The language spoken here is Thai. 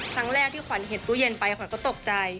ครั้งแรกที่ขวัญเห็นตู้เย็นไปขวัญก็ตกใจ